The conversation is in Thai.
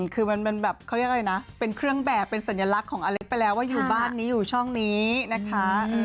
คือมันเป็นแบบเขาเรียกอะไรนะเป็นเครื่องแบบเป็นสัญลักษณ์ของอเล็กไปแล้วว่าอยู่บ้านนี้อยู่ช่องนี้นะคะ